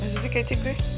masih kece gue